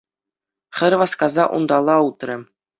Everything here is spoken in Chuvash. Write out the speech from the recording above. Хӗр васкаса унталла утрӗ.